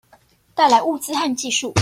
帶來物資和技術